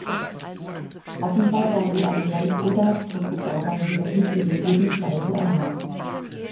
Offenbar war die Allianz Oda-Tokugawa jedoch nicht über jeden Zweifel erhaben.